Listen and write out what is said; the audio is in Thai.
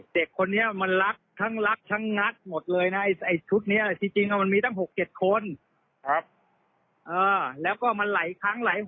ทำรักตังเขามา๒๐๐นะ๒๐๐แหละ